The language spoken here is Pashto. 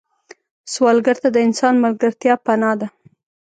سوالګر ته د انسان ملګرتیا پناه ده